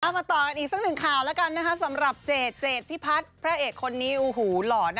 เอามาต่อกันอีกสักหนึ่งข่าวแล้วกันนะคะสำหรับเจดเจดพิพัฒไฟบรรต